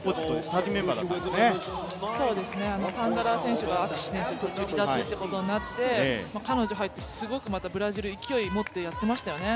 タンダラ選手がアクシデントで途中離脱ということになって、彼女が入ってすごくまたブラジルは勢いを持ってやっていましたよね。